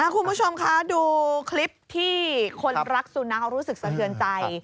คุณผู้ชมคะดูคลิปที่คนรักสุนัขเขารู้สึกสะเทือนใจ